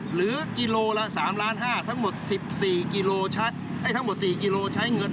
หรือกิโลละสามล้านห้าทั้งหมดสิบสี่กิโลชัดให้ทั้งหมดสี่กิโลใช้เงิน